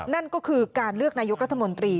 นั่นก็คือการเลือกนายกรัฐมนตรี